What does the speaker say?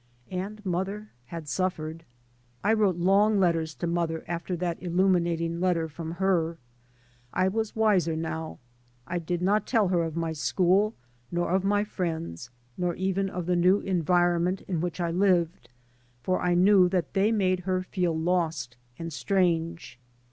And mother had suffered. I wrote long letters to mother after that illuminating letter from her. I was wiser now. I did not tell her of my school, nor of my friends, nor even of the new enviroment in which I lived, for I knew that they made her feel lost and strange.